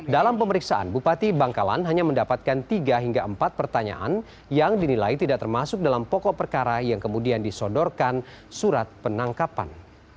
dalam pemeriksaan bupati bangkalan hanya mendapatkan tiga hingga empat pertanyaan yang dinilai tidak termasuk dalam pokok perkara yang kemudian disodorkan surat penangkapan